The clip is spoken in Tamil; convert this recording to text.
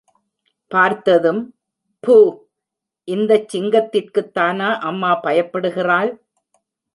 பார்த்ததும், ப்பூ, இந்தச் சிங்கத்திற்குத் தானா அம்மா பயப்படுகிறாள்!